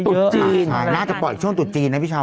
ตุ๊ดจีนน่าจะปล่อยช่วงตุ๊ดจีนนะพี่ชาว